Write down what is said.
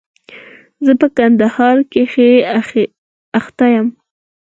زه په کندهار کښي اخته يم.